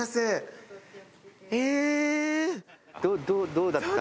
どうだった？